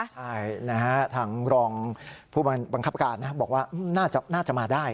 ใช่นะฮะทางรองผู้บังคับการนะบอกว่าน่าจะมาได้